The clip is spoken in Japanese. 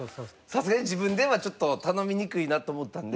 さすがに自分ではちょっと頼みにくいなと思ったんで。